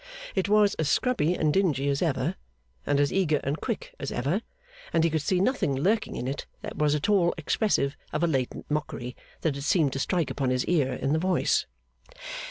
It was as scrubby and dingy as ever, and as eager and quick as ever, and he could see nothing lurking in it that was at all expressive of a latent mockery that had seemed to strike upon his ear in the voice.